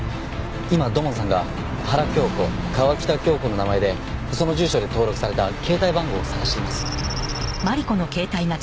今土門さんが「原京子」「川喜多京子」の名前でその住所で登録された携帯番号を探しています。